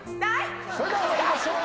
それでは参りましょう。